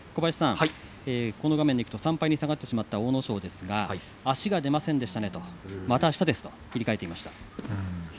３敗に下がってしまった阿武咲ですが足が出ませんでしたまた、あしたですと振り返っていました。